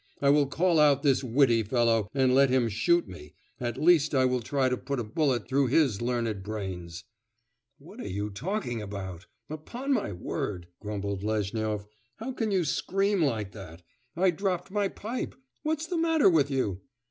I will call out this witty fellow, and let him shoot me, at least I will try to put a bullet through his learned brains!' 'What are you talking about? Upon my word!' grumbled Lezhnyov, 'how can you scream like that? I dropped my pipe.... What's the matter with you?